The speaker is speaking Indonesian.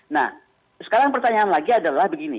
nah sekarang pertanyaan lagi adalah begini